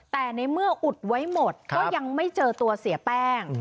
แต่ในเมื่ออุดไว้หมดก็ยังไม่เจอตัวเสียแป้ง